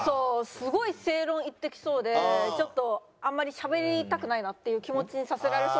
すごい正論言ってきそうでちょっとあんまりしゃべりたくないなっていう気持ちにさせられそう。